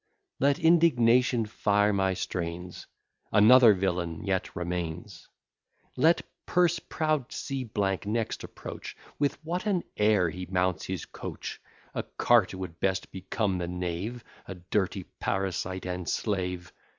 Let indignation fire my strains, Another villain yet remains Let purse proud C n next approach; With what an air he mounts his coach! A cart would best become the knave, A dirty parasite and slave!